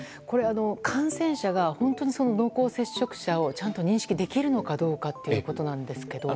感染者が本当に濃厚接触者をちゃんと認識できるかどうかというところですが。